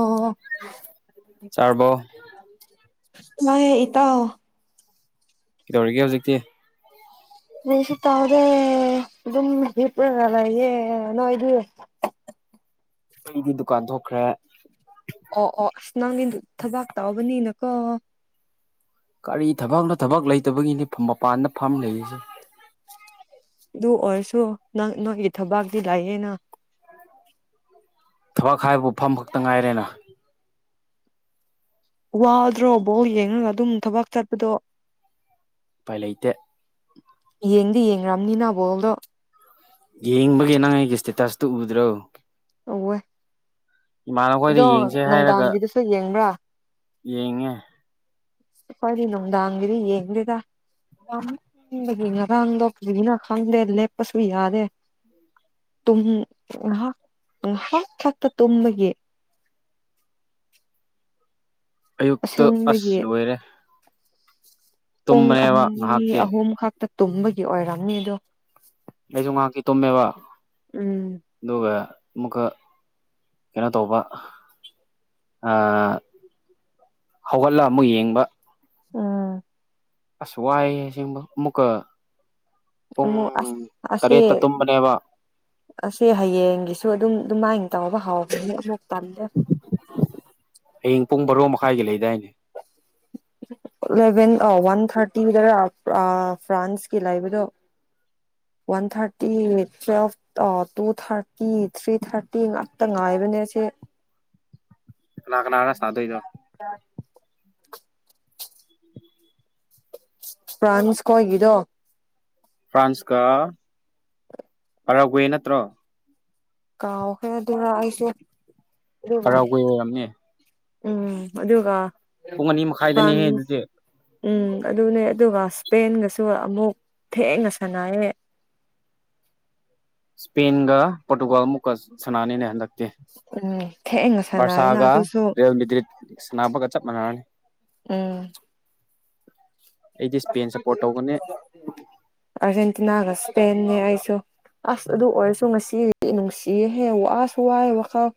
ꯑꯣ ꯆꯥꯔꯕꯣ ꯋꯥꯏ ꯏꯇꯥꯎ ꯀꯩꯗꯧꯔꯤꯒꯦ ꯍꯧꯖꯤꯛꯇꯤ ꯀꯔꯤꯁꯨ ꯇꯥꯎꯗꯦ ꯑꯗꯨꯝ ꯍꯄ꯭ꯔꯒꯂꯩꯌꯦ ꯅꯣꯏꯗꯤ ꯑꯩꯗꯤ ꯗꯨꯀꯥꯟ ꯊꯣꯛꯈ꯭ꯔꯦ ꯑꯣ ꯑꯣ ꯑꯁ ꯅꯪꯗꯤ ꯊꯕꯛ ꯇꯥꯎꯕꯅꯤꯅꯀꯣ ꯀꯔꯤ ꯊꯕꯛꯅꯣ ꯊꯕꯛ ꯂꯩꯇꯕꯒꯤꯅꯤ ꯃꯄꯥꯟꯗ ꯐꯝ ꯂꯩꯔꯤꯁꯦ ꯑꯗꯨ ꯑꯣꯏꯔꯁꯨ ꯅꯪ ꯅꯣꯏꯒꯤ ꯊꯕꯥꯛꯇꯤ ꯂꯩꯌꯦꯅ ꯊꯕꯛ ꯍꯥꯏꯕꯕꯨ ꯐꯝꯕ ꯈꯛꯇ ꯉꯥꯏꯔꯦꯅ ꯋꯥꯗ꯭ꯔꯣ ꯕꯣꯜ ꯌꯦꯡꯉꯒ ꯑꯗꯨꯝ ꯊꯕꯛ ꯆꯠꯄꯗꯣ ꯎꯄꯥꯏ ꯂꯩꯇꯦ ꯌꯦꯡꯗꯤ ꯌꯦꯡꯒ꯭ꯔꯕꯅꯤꯅ ꯕꯣꯜꯗꯣ ꯌꯦꯡꯕꯒꯤ ꯅꯪ ꯑꯩꯒꯤ ꯏꯁꯇꯦꯇꯁꯇꯨ ꯎꯗ꯭ꯔꯣ ꯎꯋꯦ ꯏꯃꯥꯟꯅꯕ ꯈꯣꯏꯗ ꯑꯗꯣ ꯌꯦꯡꯁꯦ ꯍꯥꯏꯔꯒ ꯅꯨꯡꯗꯥꯡꯒꯤꯗꯨꯁꯨ ꯌꯦꯡꯕ꯭ꯔꯥ ꯌꯦꯡꯉꯦ ꯑꯈꯣꯏꯗꯤ ꯅꯨꯡꯗꯥꯡꯒꯤꯗꯤ ꯌꯦꯡꯗꯗ ꯋꯥ ꯍꯪ ꯕꯒꯤ ꯉꯔꯥꯡꯗꯣ ꯀ꯭ꯕꯤꯒꯤꯅꯣ ꯈꯪꯗꯦ ꯂꯦꯞꯄꯁꯨ ꯌꯥꯗꯦ ꯇꯨꯝ ꯉꯥꯍꯥꯛ ꯉꯥꯍꯥꯛ ꯈꯛꯇ ꯇꯨꯝꯕꯒꯤ ꯑꯌꯨꯛꯇ ꯑꯁ ꯑꯁꯦꯡꯕꯒꯤ ꯂꯣꯏꯔꯦ ꯄꯨꯡ ꯇꯨꯝꯕꯅꯦꯕ ꯑꯅꯤ ꯉꯥꯏꯍꯥꯛꯇꯤ ꯑꯍꯨꯝ ꯈꯛꯇ ꯇꯨꯝꯕꯒꯤ ꯑꯣꯏꯔꯝꯅꯤ ꯑꯗꯣ ꯃꯁꯨ ꯉꯍꯥꯛꯇꯤ ꯇꯨꯝꯃꯦꯕ ꯎꯝ ꯑꯗꯨꯒ ꯑꯃꯨꯛꯀ ꯀꯩꯅꯣ ꯇꯧꯕ ꯑ ꯍꯧꯒꯠꯂ ꯑꯃꯨꯛ ꯌꯦꯡꯕ ꯎꯝ ꯑꯁ ꯋꯥꯏꯌꯦ ꯑꯁꯦꯡꯕ ꯑꯃꯨꯛꯀ ꯄꯨꯡ ꯑꯃꯨꯛ ꯑꯁ ꯑꯁꯤ ꯇꯔꯦꯠꯇ ꯇꯨꯝꯕꯅꯦꯕ ꯑꯁꯤ ꯍꯌꯦꯡꯒꯤꯁꯨ ꯑꯗꯨꯝ ꯑꯗꯨꯃꯥꯏꯅ ꯇꯥꯎꯕ ꯍꯥꯎꯕꯅꯤ ꯑꯃꯨꯛ ꯇꯜꯂꯦ ꯍꯌꯦꯡ ꯄꯨꯡ ꯕꯔꯣ ꯃꯈꯥꯏꯒꯤ ꯂꯩꯗꯥꯏꯅꯦ ꯏꯂꯚꯦꯟ ꯑ ꯋꯥꯟ ꯊꯥꯔꯇꯤꯗꯔ ꯑ ꯐ꯭ꯔꯥꯟꯁꯀꯤ ꯂꯩꯕꯗꯣ ꯋꯥꯟ ꯊꯥꯔꯇꯤ ꯇ꯭ꯨꯋꯦꯜꯐ ꯑ ꯇꯨ ꯊꯥꯔꯇꯤ ꯊ꯭ꯔꯤ ꯊꯥꯔꯇꯤ ꯉꯥꯛꯇ ꯉꯥꯏꯕꯅꯦ ꯁꯤ ꯀꯅꯥ ꯀꯅꯥ ꯁꯥꯗꯣꯏꯅꯣ ꯑ ꯐ꯭ꯔꯥꯟꯁ ꯀꯣꯏꯒꯤꯗꯣ ꯐ꯭ꯔꯥꯟꯁꯀ ꯑꯔꯋꯦ ꯅꯠꯇ꯭ꯔꯣ ꯀꯥꯎꯈ꯭ꯔꯦꯗ ꯑꯩꯁꯨ ꯑꯗꯨꯒ ꯄꯔꯥꯒ꯭ꯋꯦ ꯑꯣꯏꯔꯝꯅꯦ ꯎꯝ ꯑꯗꯨꯒ ꯄꯨꯡ ꯑꯅꯤ ꯃꯈꯥꯏꯗꯅꯤꯍꯦ ꯐ꯭ꯔꯥꯟꯁ ꯑꯗꯨꯗꯤ ꯎꯝ ꯑꯗꯨꯅꯦ ꯑꯗꯨꯒ ꯏꯁꯄꯦꯟꯒꯁꯨ ꯑꯃꯨꯛ ꯊꯦꯡꯅ ꯁꯥꯟꯅꯥꯏꯌꯦ ꯏꯁꯄꯦꯟꯒ ꯄꯣꯔꯇꯨꯒꯥꯜ ꯑꯃꯨꯛꯀ ꯁꯅꯥꯥꯟꯅꯤꯅꯦ ꯍꯟꯂꯛꯇꯦ ꯎꯝ ꯊꯦꯡꯅ ꯁꯥꯟꯅꯩꯅ ꯕꯔꯁꯥꯒ ꯑꯗꯨꯁꯨ ꯔꯤꯌꯦꯜ ꯃꯦꯗ꯭ꯔꯤꯠ ꯁꯥꯟꯅꯕꯒ ꯆꯞ ꯃꯥꯟꯅꯔꯅꯤ ꯎꯝ ꯑꯩꯗꯤ ꯏꯁꯄꯦꯟ ꯁꯞꯄꯣꯔꯠ ꯇꯧꯒꯅꯤ ꯑꯔꯖꯦꯟꯇꯤꯅꯥꯒ ꯁꯄꯦꯟꯅꯦ ꯑꯩꯁꯨ ꯑꯁ ꯑꯗꯨ ꯑꯣꯏꯔꯁꯨ ꯉꯁꯤꯗꯤ ꯅꯨꯡꯁꯤꯍꯦ ꯋꯥ ꯑꯁ ꯋꯥꯔꯦ ꯋꯥꯈꯜ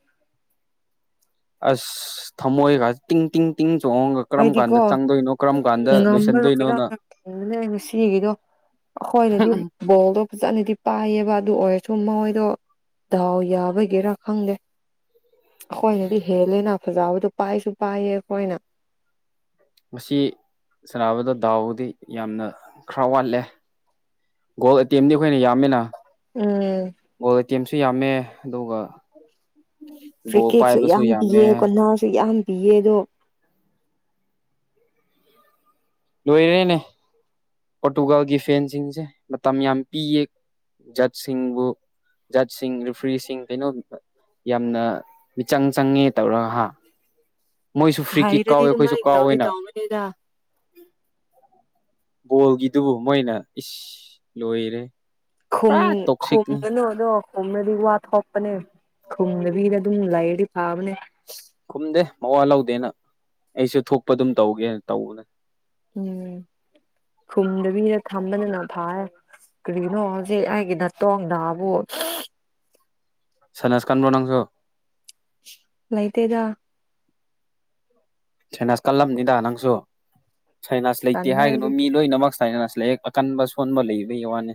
ꯑꯁ ꯊꯝꯃꯣꯏꯒ ꯇꯤꯡ ꯇꯤꯡ ꯇꯤꯡ ꯆꯣꯡꯉꯒ ꯀꯔꯝ ꯀꯥꯟꯗ ꯑꯩꯗꯤꯀꯣ ꯆꯪꯗꯣꯏꯅꯣ ꯀꯔꯝ ꯀꯥꯟꯗ ꯂꯣꯏꯁꯟꯗꯣꯏꯅꯣꯅ ꯊꯦꯡꯅꯦ ꯉꯁꯤꯒꯤꯗꯣ ꯑꯩꯈꯣꯏꯅꯗꯤ ꯕꯣꯜꯗꯣ ꯐꯖꯅꯗꯤ ꯄꯥꯏꯌꯦꯕ ꯑꯗꯨ ꯑꯣꯏꯔꯁꯨ ꯃꯣꯏꯗꯣ ꯗꯥꯎ ꯌꯥꯕꯒꯤꯔꯥ ꯈꯪꯗꯦ ꯑꯩꯈꯣꯏꯅꯗꯤ ꯍꯦꯜꯂꯦꯅ ꯐꯖꯕꯗꯣ ꯄꯥꯏꯁꯨ ꯄꯥꯏꯌꯦ ꯑꯩꯈꯣꯏꯅ ꯉꯁꯤ ꯁꯥꯟꯅꯕꯗꯣ ꯗꯥꯎꯗꯤ ꯌꯥꯝꯅ ꯈꯔ ꯋꯥꯠꯂꯦ ꯒꯣꯜ ꯑꯇꯦꯝꯗꯤ ꯑꯩꯈꯣꯏꯅ ꯌꯥꯝꯃꯤꯅ ꯎꯝ ꯒꯣꯜ ꯑꯦꯇꯦꯝꯁꯨ ꯌꯥꯝꯃꯦ ꯑꯗꯨꯒ ꯐꯔꯤ ꯕꯣꯜ ꯀꯤꯛꯁꯨ ꯄꯥꯏꯕꯁꯨ ꯌꯥꯝ ꯌꯥꯝꯃꯦ ꯄꯤꯌꯦ ꯀꯣꯟꯅꯥꯔꯁꯨ ꯌꯥꯝ ꯄꯤꯌꯦ ꯑꯗꯣ ꯂꯣꯏꯔꯦꯅꯦ ꯄꯣꯔꯇꯨꯒꯥꯜꯒꯤ ꯐꯦꯟꯁꯤꯡꯁꯦ ꯃꯇꯝ ꯌꯥꯝ ꯄꯤꯌꯦ ꯖꯠꯁꯤꯡꯕꯨ ꯖꯠꯁꯤꯡ ꯔꯤꯐ꯭ꯔꯤꯁꯤꯡ ꯀꯩꯅꯣ ꯌꯥꯝꯅ ꯃꯤꯆꯪ ꯆꯪꯉꯦ ꯇꯧꯔꯒ ꯍꯥ ꯃꯣꯏꯁꯨ ꯐ꯭ꯔꯤ ꯀꯤꯛ ꯍꯩꯔꯗꯤ ꯀꯥꯎꯋꯦ ꯑꯩꯈꯣꯏꯁꯨ ꯑꯗꯨꯃꯥꯏꯅ ꯀꯥꯎꯋꯦꯅ [unintelligible] ꯕꯣꯜꯒꯤꯗꯨꯕꯨ ꯃꯣꯏꯅ ꯏꯁ ꯂꯣꯏꯔꯦ ꯨꯈꯨꯝ ꯄꯨꯔꯥ ꯇꯣꯛꯁꯤꯛꯅꯤ ꯈꯨꯝꯒꯅꯣ ꯑꯗꯣ ꯈꯨꯝꯔꯗꯤ ꯋꯥ ꯊꯣꯛꯄꯅꯦ ꯈꯨꯝꯗꯕꯤꯗ ꯑꯗꯨꯝ ꯂꯩꯔꯗꯤ ꯐꯥꯕꯅꯦ ꯈꯨꯝꯗꯦ ꯃꯋꯥ ꯂꯧꯗꯦꯅ ꯑꯩꯁꯨ ꯊꯣꯛꯄ ꯑꯗꯨꯝ ꯇꯧꯒꯦꯅ ꯇꯧꯕꯅꯦ ꯎꯝ ꯈꯨꯝꯗꯕꯤꯗ ꯊꯝꯕꯗꯅ ꯐꯩ ꯀꯔꯤꯅꯣ ꯍꯧꯖꯤꯛ ꯑꯩꯒꯤ ꯅꯥꯇꯣꯡ ꯅꯥꯕꯨ ꯁꯥꯏꯅꯦꯁ ꯀꯟꯕ꯭ꯔꯣ ꯅꯪꯁꯨ ꯂꯩꯇꯦꯗ ꯁꯥꯏꯅꯥꯁ ꯀꯜꯂꯝꯅꯤꯗ ꯅꯪꯁꯨ ꯁꯥꯏꯅꯥꯁ ꯂꯩꯇꯦ ꯇꯜꯂꯦ ꯍꯥꯏꯒꯅꯣ ꯑꯩꯗꯤ ꯃꯤ ꯂꯣꯏꯅꯃꯛ ꯁꯥꯏꯅꯁ ꯂꯩꯌꯦ ꯑꯀꯟꯕ ꯁꯣꯟꯕ ꯂꯩꯕꯒꯤ ꯋꯥꯅꯤ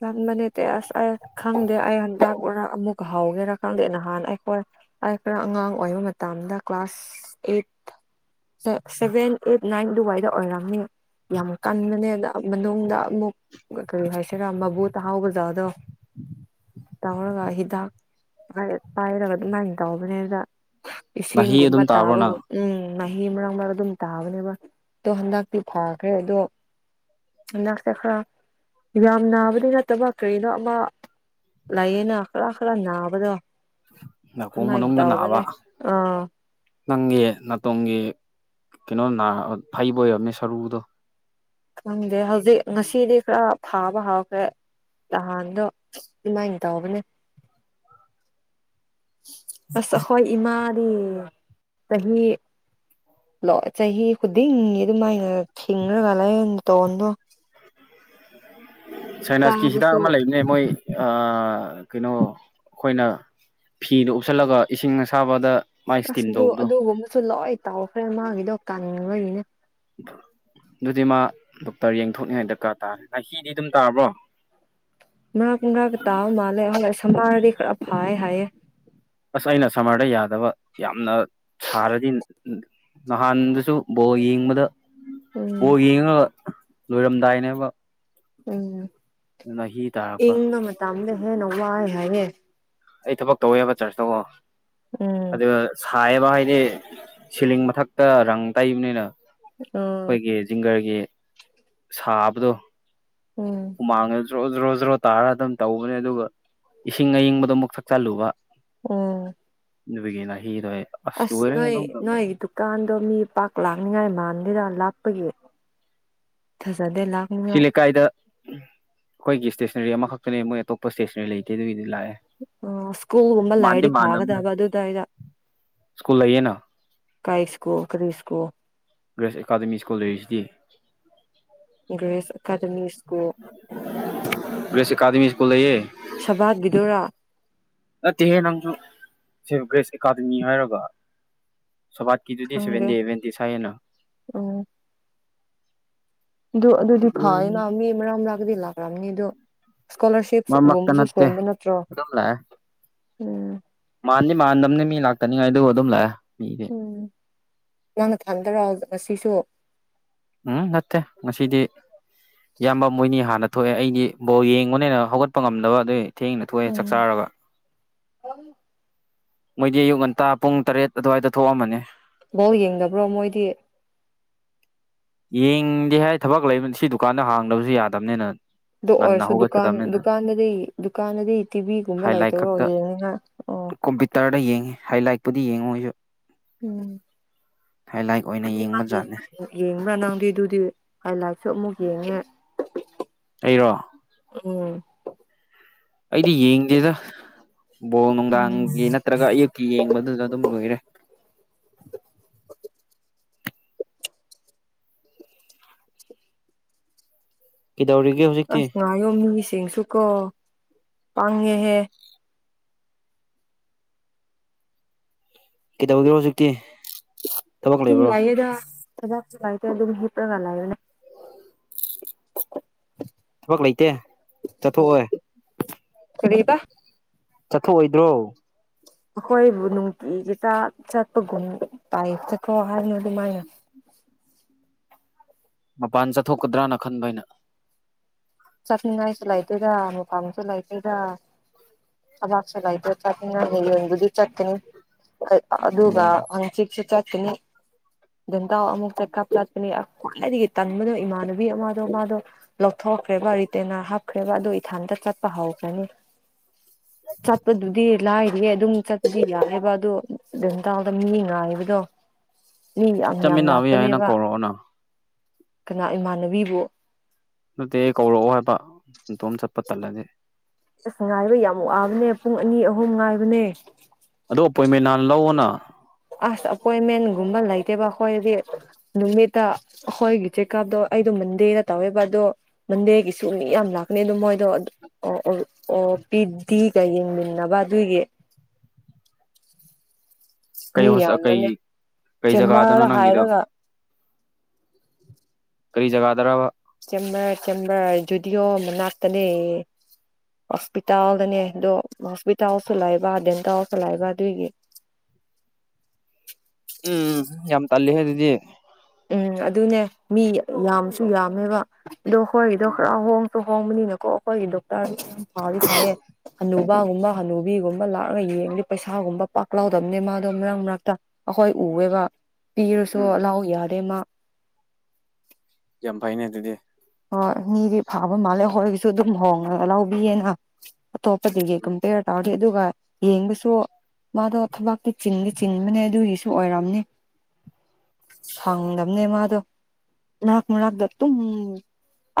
ꯀꯟꯕ ꯅꯠꯇꯦ ꯑꯁ ꯑꯩ ꯈꯪꯗꯦ ꯑꯩ ꯍꯟꯗꯛ ꯃꯔꯛ ꯑꯃꯨꯛꯀ ꯍꯧꯒꯦꯔꯥ ꯈꯪꯗꯦ ꯅꯍꯥꯟ ꯑꯩꯈꯣꯏ ꯑꯩ ꯈꯔ ꯑꯉꯥꯡ ꯑꯣꯏꯕ ꯃꯇꯝꯗ class eight six seven eight nine ꯑꯗꯨꯋꯥꯏꯗ ꯑꯣꯏꯔꯝꯅꯤ ꯌꯥꯝ ꯀꯟꯕꯅꯦ ꯑꯗ ꯑ ꯃꯅꯨꯡꯗ ꯑꯃꯨꯛ ꯀꯔꯤ ꯍꯥꯏ ꯁꯤꯔꯥ ꯃꯕꯨ ꯇꯥꯍꯧꯕ ꯖꯥꯗꯣ ꯇꯧꯔꯒ ꯍꯤꯗꯥꯛ ꯂꯩ ꯄꯥꯏꯔꯒ ꯑꯗꯨꯃꯥꯏꯅ ꯇꯧꯕꯅꯦꯗ ꯅꯥꯍꯤ ꯏꯁꯤꯡꯒꯨꯝꯕ ꯑꯗꯨꯝ ꯇꯥꯕ꯭ꯔꯣ ꯅꯪ ꯇꯥꯕꯒꯨꯝ ꯎꯝ ꯅꯥꯍꯤ ꯃꯔꯛ ꯃꯔꯛꯇ ꯑꯗꯨꯝ ꯇꯥꯕꯅꯦꯕ ꯑꯗꯣ ꯍꯟꯗꯛꯇꯤ ꯐꯈ꯭ꯔꯦ ꯑꯗꯣ ꯁꯥꯏꯅꯁ ꯁꯦ ꯈꯔ ꯌꯥꯝ ꯅꯥꯕꯗꯤ ꯅꯠꯇꯕ ꯀꯔꯤꯅꯣ ꯑꯃ ꯂꯩꯌꯦꯅ ꯈꯔ ꯈꯔ ꯅꯥꯕꯗꯣ ꯅꯥꯀꯣꯡ ꯑꯗꯨꯃꯥꯏꯟ ꯃꯅꯨꯡꯗ ꯇꯧꯕꯅꯦ ꯅꯥꯕ ꯑꯥ ꯅꯪꯒꯤ ꯅꯥꯇꯣꯝꯒꯤ ꯀꯩꯅꯣ ꯅꯥ ꯐꯩꯕ ꯑꯣꯏꯔꯝꯅꯦ ꯁꯔꯨꯗꯣ ꯈꯪꯗꯦ ꯍꯧꯖꯤꯛ ꯉꯁꯤꯗꯤ ꯈꯔ ꯊꯥꯕ ꯍꯧꯈ꯭ꯔꯦ ꯅꯍꯥꯟꯗꯣ ꯑꯗꯨꯃꯥꯏꯅ ꯇꯧꯕꯅꯦ ꯑꯁ ꯑꯩꯈꯣꯏ ꯏꯃꯥꯗꯤ ꯆꯍꯤ ꯂꯣꯏ ꯆꯍꯤ ꯈꯨꯗꯤꯡꯒꯤ ꯑꯗꯨꯃꯥꯏꯅ ꯊꯤꯡꯉꯒ ꯂꯩ ꯅꯥꯇꯣꯟꯗꯣ ꯁꯥꯏꯅꯁꯀꯤ ꯍꯤꯗꯥꯛ ꯆꯥꯕꯁꯨ ꯑꯃ ꯂꯩꯕꯅꯦ ꯃꯣꯏ ꯑꯥ ꯀꯩꯅꯣ ꯑꯈꯣꯏꯅ ꯐꯤꯗꯣ ꯎꯞꯁꯜꯂꯒ ꯏꯁꯤꯡ ꯑꯁꯥꯕꯗ ꯃꯥꯏ ꯑꯁ ꯏꯁꯇꯤꯝ ꯑꯗꯨ ꯇꯧꯕꯗꯣ ꯑꯗꯨꯒꯨꯝꯕꯁꯨ ꯂꯣꯏ ꯇꯧꯈ꯭ꯔꯦ ꯃꯥꯒꯤꯗꯣ ꯀꯟꯕꯒꯤꯅꯦ ꯑꯗꯨꯗꯤ ꯃꯥ ꯗꯣꯛꯇꯔ ꯌꯦꯡꯊꯣꯛꯅꯤꯉꯥꯏ ꯗꯔꯀꯥꯔ ꯇꯥꯔꯦ ꯅꯥꯍꯤꯗꯤ ꯑꯗꯨꯝ ꯇꯥꯕ꯭ꯔꯣ ꯃꯔꯛ ꯃꯔꯛꯇ ꯇꯥꯕ ꯃꯥꯜꯂꯦ [unintelligible] ꯈꯔ ꯐꯥꯏ ꯍꯥꯏꯌꯦ ꯑꯁ ꯑꯩꯅ ꯁꯝꯃꯔꯗ ꯌꯥꯗꯕ ꯌꯥꯝꯅ ꯁꯥꯔꯗꯤ ꯅꯍꯥꯟꯗꯁꯨ ꯕꯣꯜ ꯌꯦꯡꯕꯗ ꯎꯝ ꯕꯣꯜ ꯌꯦꯡꯉꯒ ꯂꯣꯏꯔꯝꯗꯥꯏꯅꯦꯕ ꯎꯝ ꯅꯍꯤ ꯇꯥꯔꯛꯄ ꯏꯪꯕ ꯃꯇꯝꯗ ꯍꯦꯟꯅ ꯋꯥꯏ ꯍꯥꯏꯌꯦ ꯑꯩ ꯊꯕꯛ ꯇꯧꯋꯦꯕ ꯆꯔꯆ ꯇꯀꯣ ꯎꯝ ꯑꯗꯨꯒ ꯁꯥꯏꯌꯦꯕ ꯍꯥꯏꯗꯤ ꯁꯤꯂꯤꯡ ꯃꯊꯛꯇ ꯔꯪ ꯇꯩꯕꯅꯤꯅ ꯎꯝ ꯑꯩꯈꯣꯏꯒꯤ ꯖꯤꯡꯒꯔꯒꯤ ꯁꯥꯕꯗꯣ ꯎꯝ ꯍꯨꯃꯥꯡꯒ ꯖ꯭ꯔꯣ ꯖ꯭ꯔꯣ ꯖ꯭ꯔꯣ ꯇꯥꯔꯒ ꯑꯗꯨꯝ ꯇꯧꯕꯅꯦ ꯑꯗꯨꯒ ꯏꯁꯤꯡ ꯑꯌꯤꯡꯕꯗꯣ ꯑꯃꯨꯛ ꯊꯛꯆꯜꯂꯨꯕ ꯎꯝ ꯅꯨꯄꯤꯒꯤꯅ ꯍꯤꯔꯣꯏ ꯑꯁ ꯅꯣꯏ ꯅꯣꯏ ꯀꯥꯟꯗꯣ ꯃꯤ ꯄꯥꯛ ꯂꯥꯛꯅꯤꯡꯉꯥꯏ ꯃꯥꯟꯗꯦꯗ ꯂꯥꯥꯛꯄꯒꯤ ꯐꯖꯗꯦ ꯂꯄ ꯁꯤ ꯂꯩꯀꯥꯏꯗ ꯑꯩꯈꯣꯏꯒꯤ ꯏꯁꯇꯦꯁꯅꯔꯤ ꯑꯃꯈꯛꯇꯅꯦ ꯃꯣꯏ ꯑꯇꯣꯞꯄ ꯏꯁꯇꯦꯁꯅꯔꯤ ꯂꯩꯇꯦ ꯑꯗꯨꯒꯤꯗꯤ ꯂꯥꯛꯑꯦ ꯑ ꯁ꯭ꯀꯨꯜꯒꯨꯝꯝꯕ ꯃꯥꯟꯗꯤ ꯂꯩꯔꯗꯤ ꯃꯥꯟꯅꯕꯅꯦ ꯐꯒꯗꯕ ꯑꯗꯨꯗ ꯑꯩꯅ ꯁ꯭ꯀꯨꯜ ꯂꯩꯌꯦꯅ ꯀꯩ ꯁ꯭ꯀꯨꯜ ꯀꯔꯤ ꯁ꯭ꯀꯨꯜ ꯒ꯭ꯔꯦꯁ ꯑꯦꯀꯥꯗꯃꯤ ꯁ꯭ꯀꯨꯜ ꯂꯩꯔꯤꯁꯤꯗꯤ Grace academy school Grace academy school ꯂꯩꯌꯦ ꯁꯕꯠꯒꯤꯗꯨꯔꯥ ꯅꯠꯇꯦꯍꯦ ꯅꯪꯁꯨ ꯒ꯭ꯔꯦꯁ ꯑꯦꯀꯥꯗꯃꯤ ꯍꯥꯏꯔꯒ ꯁꯕꯥꯠ ꯀꯤꯗꯨꯗꯤ ꯈꯪꯗꯦ ꯁꯦꯕꯦꯟꯗꯦ ꯑꯦꯕꯦꯟꯗꯦ ꯁꯥꯏꯌꯦꯅ ꯎꯝ ꯑꯗꯨ ꯑꯗꯨꯗꯤ ꯐꯌꯦꯅ ꯃꯔꯛ ꯃꯤ ꯃꯔꯛ ꯃꯔꯛꯒꯗꯤ ꯂꯥꯛꯈ꯭ꯔꯕꯅꯤ ꯑꯗꯨꯗꯣ ꯃꯔꯛꯇ ꯏꯁꯀꯣꯂꯥꯔꯁꯤꯞꯒꯨꯝꯕꯁꯨ ꯅꯠꯇꯦ ꯁꯦꯝꯕ ꯅꯠꯇ꯭ꯔꯣ ꯑꯗꯨꯝ ꯂꯥꯛꯑꯦ ꯎꯝ ꯃꯥꯟꯗꯤ ꯃꯥꯟꯗꯝꯅꯤ ꯃꯤ ꯂꯥꯛꯇꯅꯤꯉꯥꯏꯗꯨ ꯑꯗꯨꯝ ꯂꯥꯛꯑꯦ ꯃꯤ ꯎꯝ ꯅꯪ ꯅꯊꯟꯗꯔ ꯉꯁꯤꯁꯨ ꯎꯝ ꯅꯠꯇꯦ ꯉꯁꯤꯗꯤ ꯏꯌꯥꯝꯕ ꯃꯣꯏꯅꯤ ꯍꯥꯟꯅ ꯊꯣꯛꯑꯦ ꯑꯩꯗꯤ ꯕꯣꯜ ꯌꯦꯡꯕꯅꯦꯅ ꯍꯧꯒꯠꯄ ꯉꯝꯗꯕ ꯑꯗꯨꯏ ꯊꯦꯡꯅ ꯊꯣꯛꯑꯦ ꯆꯥꯛ ꯎꯝ ꯆꯥꯔꯒ ꯃꯣꯏꯗꯤ ꯑꯌꯨꯛ ꯉꯟꯇꯥ ꯄꯨꯡ ꯇꯔꯦꯠ ꯑꯗꯨꯋꯥꯏꯗ ꯊꯣꯛꯑꯝꯃꯅꯤ ꯕꯣꯜ ꯌꯦꯡꯗꯕ꯭ꯔꯣ ꯃꯣꯏꯗꯤ ꯌꯦꯡꯗꯦ ꯍꯥꯏ ꯊꯕꯛ ꯂꯩꯕ ꯁꯤ ꯗꯨꯀꯥꯟꯗ ꯍꯥꯡꯗꯕꯁꯨ ꯌꯥꯗꯕꯅꯤꯅ ꯑꯗꯨ ꯉꯟꯅ ꯑꯣꯏꯔꯁꯨ ꯗꯨꯀꯥꯟ ꯍꯧꯒꯠꯀꯗꯕꯅꯤꯅ ꯗꯨꯀꯥꯟꯗꯗꯤ ꯗꯨꯀꯥꯟꯗꯗꯤ ꯇꯤꯚꯤꯒꯨꯝꯕ ꯍꯥꯏ ꯂꯥꯏꯠ ꯂꯩꯇꯔꯣ ꯈꯛꯇ ꯌꯦꯡꯅꯤꯉꯥꯏ ꯑꯣ ꯌꯦꯡꯉꯤ ꯍꯥꯏ ꯂꯥꯏꯠꯄꯨꯗꯤ ꯌꯦꯡꯉꯣꯏ ꯑꯩꯁꯨ ꯎꯝ ꯍꯥꯏ ꯂꯥꯏꯛ ꯑꯣꯏꯅ ꯌꯦꯡꯕ ꯖꯥꯠꯅꯦ ꯌꯦꯡꯕ꯭ꯔꯥ ꯅꯪꯗꯤ ꯑꯗꯨꯗꯤ ꯍꯥꯏ ꯂꯥꯏꯠꯁꯨ ꯑꯃꯨꯛ ꯌꯦꯡꯉꯦ ꯑꯩꯔꯣ ꯎꯝ ꯑꯩꯗꯤ ꯌꯦꯡꯗꯦꯗ ꯕꯣꯜ ꯅꯨꯡꯗꯥꯡꯒꯤ ꯅꯠꯇ꯭ꯔꯒ ꯑꯌꯨꯛꯀꯤ ꯌꯦꯡꯕꯗꯨꯗ ꯑꯗꯨꯝ ꯂꯣꯏꯔꯦ ꯀꯩꯗꯧꯔꯤꯒꯦ ꯍꯧꯖꯤꯛꯇꯤ ꯃꯌꯨꯝ ꯃꯤꯁꯤꯡꯁꯨ ꯀꯣ ꯄꯥꯡꯉꯦꯍꯦ ꯀꯩꯗꯧꯒꯦꯔꯣ ꯍꯧꯖꯤꯛꯇꯤ ꯊꯕꯛ ꯑꯗꯨꯝ ꯂꯩꯕ꯭ꯔꯣ ꯂꯩꯌꯦꯗ ꯊꯕꯛ ꯁꯨꯃꯥꯏꯅ ꯑꯗꯨꯝ ꯍꯤꯞꯔꯒ ꯂꯥꯛꯌꯦꯅ ꯊꯕꯛ ꯂꯩꯇꯦ ꯆꯠꯊꯣꯛꯑꯣꯏ ꯀꯩꯔꯤꯕ ꯆꯠꯊꯣꯛꯑꯣꯏꯗ꯭ꯔꯣ ꯑꯩꯈꯣꯏꯕꯨ ꯅꯨꯡꯇꯤꯒꯤ ꯇꯥ ꯆꯠꯄꯒꯨꯝ ꯇꯥꯏꯑꯦ ꯆꯠꯈ꯭ꯔꯣ ꯍꯥꯏꯅ ꯑꯗꯨꯃꯥꯏꯅ ꯃꯄꯥꯟ ꯆꯠꯊꯣꯛꯀꯗ꯭ꯔꯥꯅ ꯈꯟꯕ ꯑꯩꯅ ꯆꯠꯅꯤꯡꯉꯥꯏꯁꯨ ꯂꯩꯇꯦꯗ ꯃꯐꯝꯁꯨ ꯂꯩꯗꯦꯗ [unintelligible] ꯑꯗꯨꯒ ꯎꯝ ꯍꯪꯆꯤꯠꯁꯨ ꯆꯠꯀꯅꯤ ꯗꯦꯟꯇꯥꯎ ꯑꯃꯨꯛꯇ ꯀꯥꯞꯂꯠꯄꯅꯤ ꯈ꯭ꯋꯥꯏꯗꯒꯤ ꯇꯟꯕꯗꯣ ꯏꯃꯥꯟꯅꯕꯤ ꯑꯃꯗꯣ ꯃꯥꯗꯣ ꯂꯧꯊꯣꯛꯈ꯭ꯔꯦꯕ ꯔꯤꯇꯦꯅꯔ ꯍꯥꯞꯈ꯭ꯔꯦꯕ ꯑꯗꯨ ꯏꯊꯟꯇ ꯆꯠꯄ ꯍꯧꯈ꯭ꯔꯅꯤ ꯆꯠꯄꯗꯨꯗꯤ ꯂꯥꯏꯔꯤꯌꯦ ꯑꯗꯨꯝ ꯆꯠꯄꯗꯤ ꯌꯥꯏꯌꯦꯕ ꯑꯗꯨ [unintelligible] ꯃꯤ ꯉꯥꯏꯕꯗꯣ ꯃꯤ ꯌꯥꯝ ꯌꯥꯝ ꯆꯠꯃꯤꯟꯅꯕ ꯌꯥꯏ ꯅꯪ ꯂꯥꯛꯄꯅꯦꯕ ꯀꯧꯔꯛꯑꯣꯅ ꯀꯅꯥ ꯏꯃꯥꯟꯅꯕꯤꯕꯨ ꯅꯠꯇꯦ ꯀꯧꯔꯛꯑꯣ ꯍꯥꯏꯕ ꯏꯇꯣꯝ ꯆꯠꯄ ꯇꯜꯂꯗꯤ ꯑꯁ ꯉꯥꯏꯕ ꯌꯥꯝ ꯋꯥꯕꯅꯦ ꯄꯨꯡ ꯑꯅꯤ ꯑꯍꯨꯝ ꯉꯥꯏꯕꯅꯦ ꯑꯗꯣ ꯑꯄꯣꯏꯟꯃꯦꯟ ꯅꯍꯥꯟ ꯂꯧꯑꯣꯅ ꯑꯁ ꯑꯄꯣꯏꯟꯃꯦꯟꯒꯨꯝꯕ ꯂꯩꯇꯦꯕ ꯑꯩꯈꯣꯏꯗꯗꯤ ꯅꯨꯃꯤꯠꯇ ꯑꯈꯣꯏꯒꯤ ꯆꯦꯛꯀꯞꯗꯣ ꯑꯩꯗꯣ ꯃꯟꯗꯦꯗ ꯇꯧꯋꯦꯕ ꯑꯗꯣ ꯃꯟꯗꯦꯒꯤꯁꯨ ꯃꯤ ꯌꯥꯝ ꯂꯥꯛꯀꯅꯤ ꯑꯗꯨꯗꯣ ꯃꯣꯏꯗꯣ ꯑꯣ ꯑꯣ ꯑꯣ ꯄꯤꯗꯤꯒ ꯌꯦꯡꯃꯤꯟꯅꯕ ꯑꯗꯨꯏꯒꯤ ꯀꯩ ꯃꯤ ꯍꯣꯁ ꯀꯩ ꯌꯥꯝꯕꯅꯦ ꯀꯩ ꯖꯒꯥꯗꯅꯣ ꯆꯦꯝꯃꯔ ꯅꯪꯒꯤꯗꯣ ꯍꯥꯏꯔꯒ ꯀꯔꯤ ꯖꯒꯥ ꯗꯔꯕꯥ ꯆꯦꯝꯕꯔ ꯆꯦꯝꯕꯔ ꯖꯨꯗꯤꯑꯣ ꯃꯅꯥꯛꯇꯅꯦ ꯍꯣꯁꯄꯤꯇꯥꯜꯗꯅꯦ ꯑꯗꯣ ꯍꯣꯁꯄꯤꯇꯥꯜꯁꯨ ꯂꯩꯕ ꯗꯦꯟꯇꯜꯁꯨ ꯂꯩꯕ ꯑꯗꯨꯒꯤ ꯎꯝ ꯌꯥꯝ ꯇꯥꯜꯂꯤꯍꯦ ꯑꯗꯨꯗꯤ ꯎꯝ ꯑꯗꯨꯅꯦ ꯃꯤ ꯌꯥꯝꯁꯨ ꯌꯥꯝꯃꯦꯕ ꯑꯗꯣ ꯑꯩꯈꯣꯏꯒꯤꯗꯣ ꯈꯔ ꯍꯣꯡꯁꯨ ꯍꯣꯡꯕꯅꯤꯅꯀꯣ ꯑꯩꯈꯣꯏꯒꯤ ꯗꯣꯛꯇꯔꯌꯥꯝ ꯐꯥꯗꯤ ꯐꯥꯏꯌꯦ ꯍꯅꯨꯕꯥꯒꯨꯝꯕ ꯍꯅꯨꯕꯤꯒꯨꯝꯕ ꯂꯥꯛꯑꯒ ꯌꯦꯡꯕꯗꯤ ꯄꯩꯁꯥꯒꯨꯝꯕ ꯄꯥꯛ ꯂꯥꯎꯗꯕꯅꯦ ꯃꯥꯗꯣ ꯃꯔꯛ ꯃꯔꯛꯇ ꯑꯩꯈꯣꯏ ꯎꯋꯦꯕ ꯄꯤꯔꯁꯨ ꯎꯝ ꯂꯍꯧ ꯌꯥꯗꯦ ꯃꯥ ꯌꯥꯝ ꯐꯩꯅꯦ ꯑꯗꯨꯗꯤ ꯍꯣꯏ ꯃꯤꯗꯤ ꯐꯥꯕ ꯃꯥꯜꯂꯦ ꯍꯣꯏꯒꯤꯁꯨ ꯑꯗꯨꯝ ꯍꯣꯡꯉꯒ ꯂꯧꯕꯤꯌꯦꯅ ꯑꯇꯣꯞꯄꯗꯒꯤ ꯎꯝ ꯀꯝꯄꯦꯌꯔ ꯇꯧꯔꯗꯤ ꯑꯗꯨꯒ ꯌꯦꯡꯕꯁꯨ ꯃꯥꯗꯣ ꯊꯕꯛꯇꯤ ꯆꯤꯟꯗꯤ ꯆꯤꯟꯕꯅꯦ ꯑꯗꯨꯒꯤꯁꯨ ꯑꯣꯏꯔꯝꯅꯤ ꯁꯪꯗꯝꯅꯦ ꯃꯥꯗꯣ ꯃꯔꯛ ꯃꯔꯛꯇ ꯑꯗꯨꯨꯝ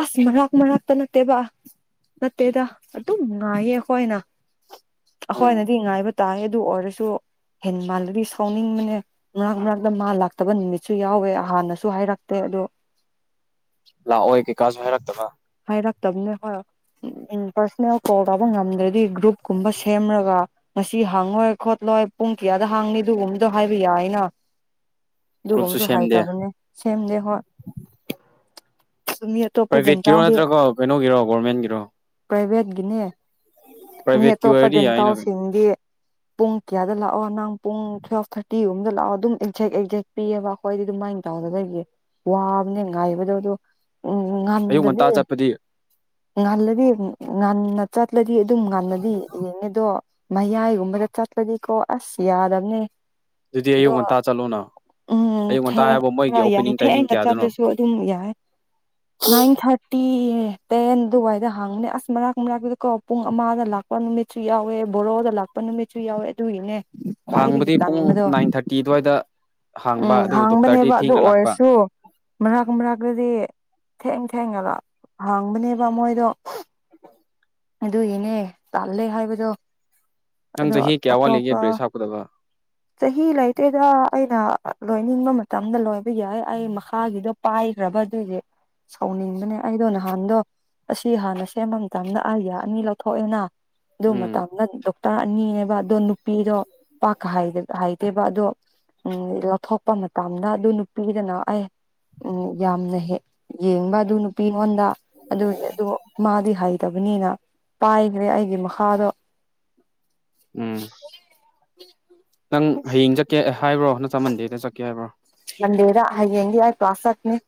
ꯑꯁ ꯃꯔꯛ ꯃꯔꯥꯛꯇ ꯅꯠꯇꯦꯕ ꯅꯠꯇꯦꯗ ꯑꯗꯨꯝ ꯉꯥꯏꯌꯦ ꯑꯩꯈꯣꯏ ꯅ ꯎꯝ ꯑꯩꯈꯣꯏꯅꯗꯤ ꯉꯥꯏꯕ ꯇꯥꯏꯌꯦ ꯑꯗꯨ ꯑꯣꯏꯔꯁꯨ ꯍꯦ ꯃꯥꯜꯂꯗꯤ ꯁꯥꯎꯅꯤꯡꯕꯅꯦ ꯃꯔꯛ ꯃꯔꯛꯇ ꯃꯥ ꯂꯥꯛꯇꯕ ꯅꯨꯃꯤꯠꯁꯨ ꯌꯥꯎꯋꯦ ꯍꯥꯟꯅꯁꯨ ꯍꯥꯏꯔꯛꯇꯦ ꯑꯗꯨ ꯂꯥꯛꯑꯣꯏ ꯀꯩꯀꯥꯁꯨ ꯍꯥꯏꯔꯛꯇꯕ ꯍꯥꯏꯔꯛꯇꯝꯅꯦꯕ ꯍꯣꯏ ꯄꯥꯔꯁꯣꯅꯦꯜ ꯀꯣꯜ ꯇꯧꯕ ꯉꯝꯗ꯭ꯔꯗꯤ ꯒ꯭ꯔꯨꯞ ꯀꯨꯝꯕ ꯁꯦꯝꯔꯒ ꯉꯁꯤ ꯍꯥꯡꯉꯣꯏ ꯈꯣꯠꯂꯣꯏ ꯄꯨꯡ ꯀꯌꯥꯗ ꯍꯥꯡꯅꯤ ꯑꯗꯨꯒꯨꯝꯕꯗꯣ ꯍꯥꯏꯕ ꯌꯥꯏꯅ ꯒ꯭ꯔꯨꯞꯁꯨ ꯑꯗꯨꯒꯨꯝꯕꯁꯨ ꯁꯦꯝꯗꯦ ꯍꯥꯏꯇꯕꯅꯦ ꯁꯦꯝꯗꯦ ꯍꯣꯏ ꯃꯤ ꯑꯇꯣꯞꯄꯗ ꯀꯤꯔꯣ ꯅꯠꯇ꯭ꯔꯒꯣ ꯀꯩꯅꯣꯒꯤꯔꯣ ꯒꯣꯔꯃꯦꯟꯒꯤꯔꯣ ꯄ꯭ꯔꯥꯏꯚꯦꯠꯀꯤꯅꯦ ꯃꯤ ꯄ꯭ꯔꯥꯏꯚꯦꯠꯀꯤ ꯑꯇꯣꯞꯄ ꯑꯣꯏꯔꯗꯤ ꯌꯥꯏꯅ ꯀꯩꯅꯣ ꯗꯦꯟꯇꯜꯁꯤꯡꯗꯤ ꯄꯨꯡ ꯀꯌꯥꯗ ꯂꯥꯛꯑꯣ ꯅꯪ ꯄꯨꯡ ꯇꯨꯋꯦꯜꯞ ꯊꯥꯔꯇꯤ ꯒꯨꯝꯕꯗ ꯂꯥꯛꯑꯣ ꯑꯗꯨꯝ ꯑꯦꯛꯖꯦꯛ ꯑꯦꯛꯖꯦꯛ ꯄꯤꯌꯦꯕ ꯑꯩꯈꯣꯏꯗꯤ ꯑꯗꯨꯃꯥꯏꯅ ꯇꯧꯗꯕꯒꯤ ꯋꯥꯕꯅꯦ ꯉꯥꯏꯕꯗꯣꯗꯣ ꯑꯌꯨꯛ ꯉꯟꯇꯥ ꯆꯠꯄꯗꯤ ꯉꯜꯂꯗꯤ ꯉꯟꯅ ꯆꯠꯂꯗꯤ ꯑꯗꯨꯝ ꯉꯟꯅꯗꯤ ꯌꯦꯡꯅꯤ ꯑꯗꯣ ꯃꯌꯥꯏꯒꯨꯝꯕꯗ ꯆꯠꯂꯗꯤꯀꯣ ꯑꯁ ꯌꯥꯗꯕꯅꯦ ꯑꯗꯨꯗꯤ ꯑꯌꯨꯛ ꯑꯗꯣ ꯉꯟꯇꯥ ꯆꯠꯂꯣꯅ ꯎꯝ ꯑꯌꯨꯛ ꯉꯟꯇꯥ ꯊꯦꯡ ꯍꯥꯏꯕ ꯃꯣꯏꯒꯤ ꯌꯥꯝ ꯑꯣꯄꯦꯅꯤꯡ ꯇꯥꯏꯃꯤꯡ ꯊꯦꯡꯅ ꯀꯌꯥꯗꯅꯣ ꯆꯠꯂꯁꯨ ꯑꯗꯨꯝ ꯌꯥꯏ ꯅꯏꯟ ꯊꯥꯔꯇꯤ ꯇꯦꯟ ꯑꯗꯨꯋꯥꯏꯗ ꯍꯥꯡꯕꯅꯦ ꯑꯁ ꯃꯔꯛ ꯃꯔꯛꯄꯗ ꯀꯣ ꯄꯨꯡ ꯑꯃꯗ ꯂꯥꯛꯄ ꯅꯨꯃꯤꯠꯁꯨ ꯌꯥꯎꯋꯦ ꯕꯣꯔꯣꯗ ꯂꯥꯛꯄ ꯂꯥꯛꯄꯥ ꯅꯨꯃꯤꯠꯁꯨ ꯌꯥꯎꯋꯦ ꯑꯗꯨꯒꯤꯅꯦ ꯈ꯭ꯋꯥꯏꯗꯒꯤ ꯇꯟꯕꯗꯣ ꯇꯤ ꯑꯗꯨꯋꯥꯏꯗ ꯍꯥꯡꯕ ꯎꯝ ꯑꯗꯨ ꯗꯣꯛꯇꯔꯗꯤ ꯍꯥꯡꯕꯅꯦꯕ ꯑꯗꯨ ꯊꯦꯡꯅ ꯂꯥꯛꯄ ꯑꯣꯏꯔꯁꯨ ꯃꯔꯥꯛ ꯃꯔꯥꯛꯇꯗꯤ ꯊꯦꯡ ꯊꯦꯡꯉꯒ ꯍꯥꯡꯕꯅꯦꯕ ꯃꯣꯏꯗꯣ [inaudible] ꯑꯗꯨꯏꯅꯦ ꯇꯜꯂꯦ ꯍꯥꯏꯕꯗꯣ ꯅꯪ ꯑꯗꯨ ꯆꯍꯤ ꯀꯌꯥ ꯋꯥꯠꯂꯤꯒꯦ ꯑꯇꯣꯞꯄ ꯕ꯭ꯔꯦꯁ ꯍꯥꯞꯀꯗꯕ ꯆꯍꯤ ꯂꯩꯇꯦꯗ ꯑꯩꯅ ꯂꯣꯏꯅꯤꯡꯕ ꯃꯇꯝꯗ ꯂꯣꯏꯕ ꯌꯥꯏ ꯑꯩ ꯃꯈꯥꯒꯤꯗꯣ ꯄꯥꯏꯈ꯭ꯔꯕ ꯑꯗꯨꯏꯁꯦ ꯁꯥꯎꯅꯤꯡꯕꯅꯦ ꯑꯩꯗꯣ ꯅꯍꯥꯟꯗꯣ ꯑꯁꯤ ꯍꯥꯟꯅ ꯁꯦꯝꯕ ꯃꯇꯝꯗ ꯑꯌꯥ ꯑꯅꯤ ꯂꯧꯊꯣꯛꯑꯦꯅ ꯑꯗꯨ ꯎꯝ ꯃꯇꯝꯗ ꯇꯥ ꯑꯅꯤꯅꯦꯕ ꯑꯗꯣ ꯅꯨꯄꯤꯗꯣ [unintelligible] ꯍꯥꯏꯗꯦꯕ ꯑꯗꯣ [unintelligible] ꯊꯣꯛꯄ ꯃꯇꯝꯗ ꯑꯗꯨ ꯅꯨꯄꯤꯗꯅ ꯑꯩ [unintelligible] ꯌꯥꯝꯅ ꯍꯦꯛ ꯌꯦꯡꯕ ꯑꯗꯨ ꯅꯨꯄꯤꯉꯣꯟꯗ ꯑꯗꯨꯒꯤ ꯑꯗꯨ ꯃꯥꯗꯤ ꯍꯩꯇꯕꯅꯤꯅ ꯄꯥꯏꯈ꯭ꯔꯦ ꯑꯩꯒꯤ ꯃꯈꯥꯗꯣ ꯎꯝ ꯅꯪ ꯍꯌꯦꯡ ꯆꯠꯀꯦ ꯍꯥꯏꯕ꯭ꯔꯣ ꯅꯠꯇ ꯃꯟꯗꯦꯗ ꯆꯠꯀꯦ ꯍꯥꯏꯕ꯭ꯔꯣ ꯃꯟꯗꯦꯗ ꯍꯌꯦꯡꯒꯤ ꯑꯩ ꯀ꯭ꯂꯥꯁ ꯆꯠꯀꯅꯤ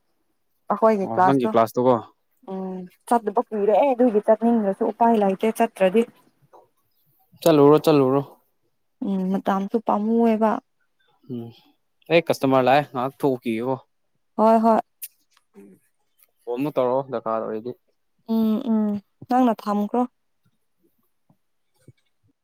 ꯑꯈꯣꯏꯒꯤ ꯑꯣ ꯅꯪꯒꯤ ꯀ꯭ꯂꯥꯁꯇꯣ ꯀ꯭ꯂꯥꯁꯇꯨꯀꯣ ꯎꯝ ꯆꯠꯇꯕ ꯀꯨꯏꯔꯦ ꯑꯗꯨꯒꯤꯗꯤ ꯆꯠꯅꯤꯡꯗꯔ꯭ꯁꯨ ꯎꯄꯥꯏ ꯂꯩꯇꯦ ꯆꯠꯇ꯭ꯔꯗꯤ ꯆꯜꯂꯨꯔꯣ ꯆꯂꯨꯨꯔꯣ ꯎꯝ ꯃꯇꯝꯁꯨ ꯄꯥꯝꯃꯨꯑꯦꯕ ꯎꯝ ꯑꯩ ꯀꯁꯇꯃꯔ ꯂꯥꯛꯑꯦ ꯉꯥꯛ ꯊꯣꯛꯎꯀꯤ [unintelligible] ꯍꯣꯏ ꯍꯣꯏ ꯎꯝ ꯐꯣꯟ ꯑꯃ ꯇꯧꯔꯑꯣ ꯗꯔꯀꯥꯔ ꯑꯣꯏꯔꯗꯤ ꯎꯝ ꯎꯝ ꯅꯪꯅ ꯊꯝꯈ꯭ꯔꯣ